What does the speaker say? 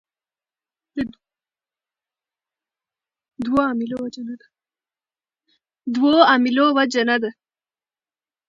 دوو عاملو وجه نه ده.